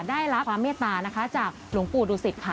ได้รับความเมตตานะคะจากหลวงปู่ดูสิตค่ะ